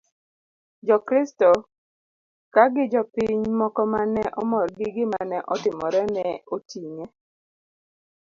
jokristo ka gi jopiny moko ma ne omor gi gimane otimore ne oting'e